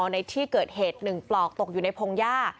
ในที่เกิดเหตุ๑ปลอกตกอยู่ในพงหญ้า